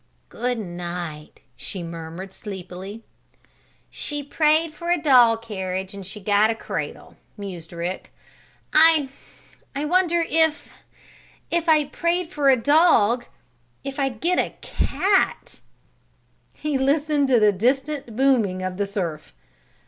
"G' night," she murmured, sleepily. "She prayed for a doll carriage and she got a cradle," mused Rick. "I I wonder if if I prayed for a dog if I'd get a cat?" He listened to the distant booming of the surf.